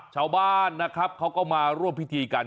ชาวบ้านนะครับเขาก็มาร่วมพิธีกัน